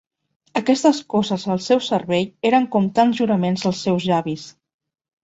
Aquestes coses al seu cervell eren com tants juraments als seus llavis.